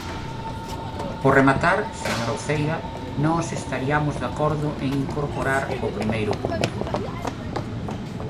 Por rematar, señora Uceira, nós estariamos de acordo en incorporar o primeiro punto.